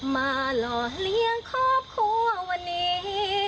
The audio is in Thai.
หล่อเลี้ยงครอบครัววันนี้